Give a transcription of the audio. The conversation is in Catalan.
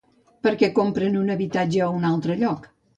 Per què compren un habitatge a un altre lloc?